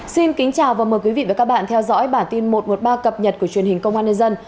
xin kính chào và mời quý vị và các bạn theo dõi bản tin một trăm một mươi ba cập nhật của truyền hình công an nhân dân